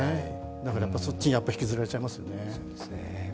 だからそっちに引きずられちゃいますよね。